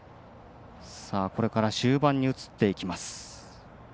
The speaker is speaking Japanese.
これから終盤に移っていきます。